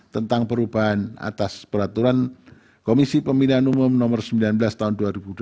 tentang perubahan atas peraturan komisi pemilihan umum nomor sembilan belas tahun dua ribu dua puluh